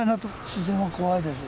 自然は怖いです。